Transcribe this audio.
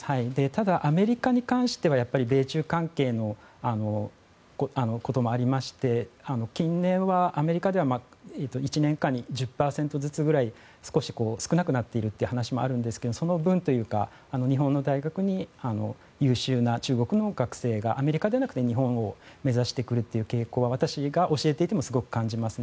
ただアメリカに関しては米中関係のこともありまして近年は、アメリカでは１年間に１０％ずつくらい少し少なくなっているという話もありますがその分というか、日本の大学に優秀な中国の学生がアメリカではなくて日本を目指してくるという傾向は私が教えていてもすごく感じます。